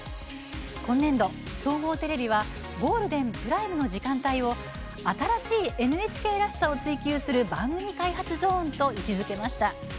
今年度、総合テレビはゴールデン・プライムの時間帯を「新しいＮＨＫらしさ」を追求する番組ゾーンと位置づけました。